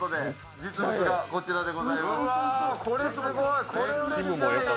実物がこちらでございます。